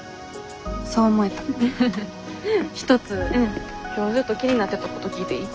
そう思えた一つ今日ずっと気になってたこと聞いていい？